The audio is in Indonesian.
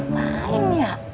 pada ngapain ya